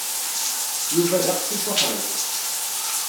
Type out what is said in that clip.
Yuba d aqcic uḥṛic.